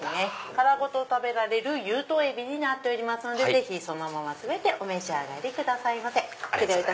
殻ごと食べられる有頭エビになっておりますのでぜひそのまま全てお召し上がりくださいませ。